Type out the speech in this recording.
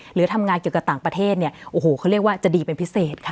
หรือทำงานเกี่ยวกับต่างประเทศเนี่ยโอ้โหเขาเรียกว่าจะดีเป็นพิเศษค่ะ